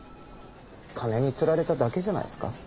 金に釣られただけじゃないですか？